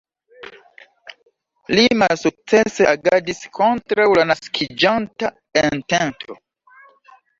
Li malsukcese agadis kontraŭ la naskiĝanta entento.